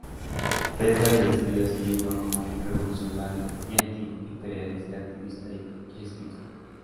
Petras se describe a sí mismo como un "revolucionario y anti-imperialista" activista y escritor.